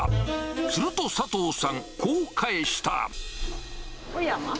すると佐藤さん、こう返した。